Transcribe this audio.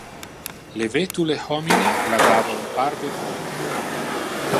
Le vetule homine la dava un parve pupa.